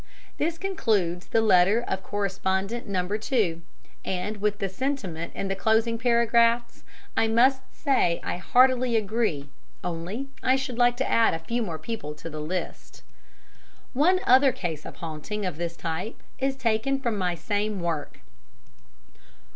This concludes the letter of correspondent No. 2, and with the sentiment in the closing paragraphs I must say I heartily agree only I should like to add a few more people to the list. One other case of haunting of this type is taken from my same work.